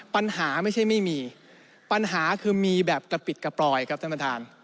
ปัญหาไม่ใช่ไม่มีปัญหาคือมีแบบกระปิดกระปลอยครับท่านประธาน